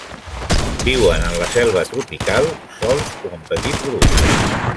Viuen en la selva tropical, sols o en petits grups.